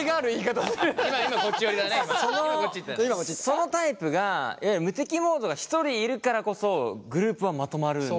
そのタイプが無敵モードが１人いるからこそグループはまとまるんだよね。